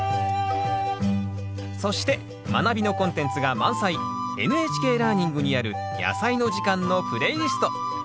そして「まなび」のコンテンツが満載「ＮＨＫラーニング」にある「やさいの時間」のプレイリスト。